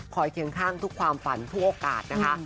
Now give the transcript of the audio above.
เคียงข้างทุกความฝันทุกโอกาสนะคะ